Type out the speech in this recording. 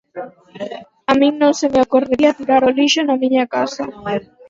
A min non se me ocorrería tirar o lixo na miña casa.